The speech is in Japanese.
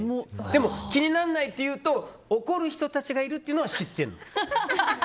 でも気にならないというと怒る人たちがいるのは知ってるの。